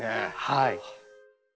はい。